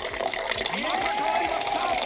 また変わりました。